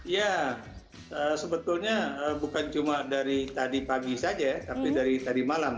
ya sebetulnya bukan cuma dari tadi pagi saja tapi dari tadi malam